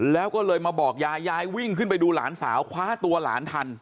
แล้วก็เลยมาบอกยายยายวิ่งขึ้นไปดูหลานสาวคว้าตัวหลานทัน